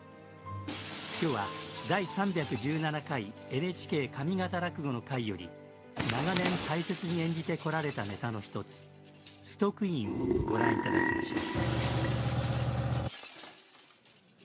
今日は第３１７回「ＮＨＫ上方落語の会」より長年大切に演じてこられたネタの一つ「崇徳院」をご覧頂きましょう。